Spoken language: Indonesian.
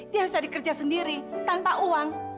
dia harus cari kerja sendiri tanpa uang